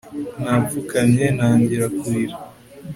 napfukamye ntangira kurira